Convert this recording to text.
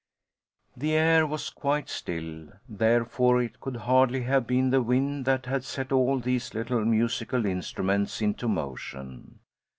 The air was quite still, therefore it could hardly have been the wind that had set all these little musical instruments into motion.